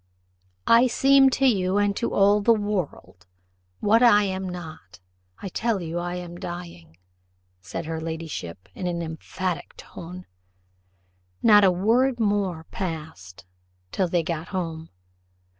"I seem to you and to all the world, what I am not I tell you I am dying," said her ladyship in an emphatic tone. Not a word more passed till they got home.